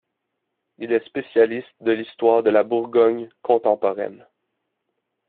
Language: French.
Il est spécialiste de l'histoire de la Bourgogne contemporaine.